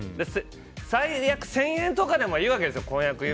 最悪、１０００円とかでもいいわけですよ。